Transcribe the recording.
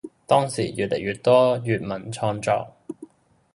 當時越嚟越多粵文創作